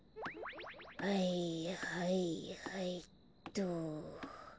はいはいはいっと。